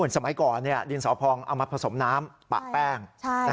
สมัยก่อนดินสอพองเอามาผสมน้ำปะแป้ง